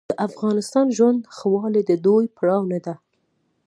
د افغان ژوند ښهوالی د دوی پروا نه ده.